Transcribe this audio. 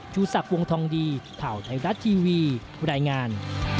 จุศัพท์วงธองดีถ่าวไทยรัตทีวีบรรยายงาน